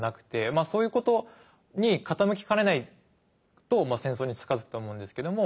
まあそういうことに傾きかねないと戦争に近づくと思うんですけども。